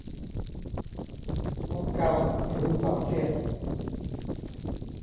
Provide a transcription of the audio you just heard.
โอกาสหรือความเสี่ยง